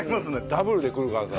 ダブルで来るからさ。